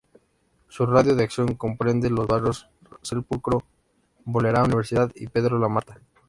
Su radio de acción comprende los barrios Sepulcro-Bolera, Universidad y Pedro Lamata.